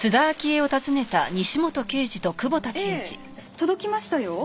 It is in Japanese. ええ届きましたよ。